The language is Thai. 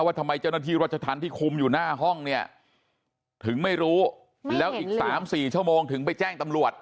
ทำไมเจ้าหน้าที่รัชธรรมที่คุมอยู่หน้าห้องเนี่ยถึงไม่รู้แล้วอีก๓๔ชั่วโมงถึงไปแจ้งตำรวจ